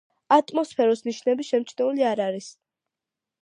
ატმოსფეროს ნიშნები შემჩნეული არ არის.